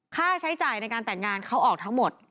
ค่าใช้จ่ายในการแต่งงานเขาออกทั้งหมด